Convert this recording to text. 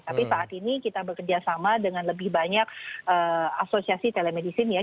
tapi saat ini kita bekerjasama dengan lebih banyak asosiasi telemedicine ya